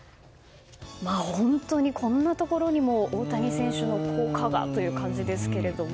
本当にこんなところにも大谷選手の効果がという感じです。